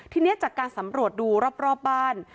ทีนี้จากการสำรวจดูรอบบ้าน